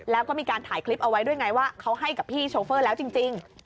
แล้วก็มีการถ่ายคลิปเอาไว้ด้วยไงว่าเขาให้กับพี่โชเฟอร์แล้วจริง